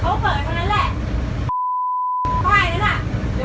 ก็ไม่มีเวลาให้กลับมาที่นี่